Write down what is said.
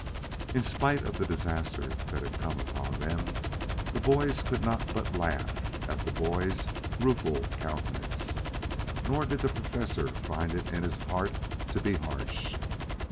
In spite of the disaster that had come upon them, the boys could not but laugh at the boy's rueful countenance. Nor did the Professor find it in his heart to be harsh.